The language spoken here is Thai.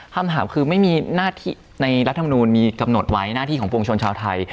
คำถามคือไม่มีหน้าที่ในรัฐมนูลมีกำหนดไว้หน้าที่ของปวงชนชาวไทย